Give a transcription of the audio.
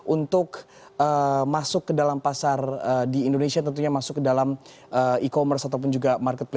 untuk masuk ke dalam pasar di indonesia tentunya masuk ke dalam e commerce ataupun juga marketplace